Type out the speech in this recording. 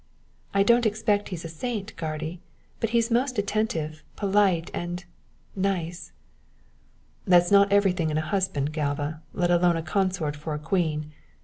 "I don't expect he's a saint, guardy, but he's most attentive, polite and nice." "That's not every thing in a husband, Galva, let alone a consort for a queen.